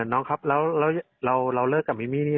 น้องครับแล้วเราเลิกกับมิมี่นี่